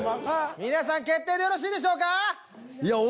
皆さん決定でよろしいでしょうか？